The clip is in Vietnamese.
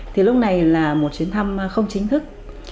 thì lúc này là một chuyến thăm không chính thức